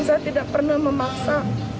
saya tidak pernah memaksa